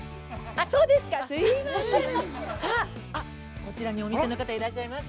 こちらにお店の方いらっしゃいます。